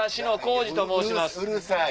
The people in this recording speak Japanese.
「うるさい！」。